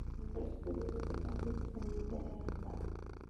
El umbral superior de frecuencias es dependiente de la edad.